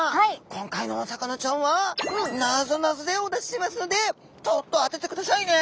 今回のお魚ちゃんはなぞなぞでお出ししますのでちょっと当ててくださいね。